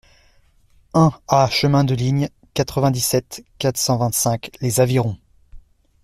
un A chemin de Ligne, quatre-vingt-dix-sept, quatre cent vingt-cinq, Les Avirons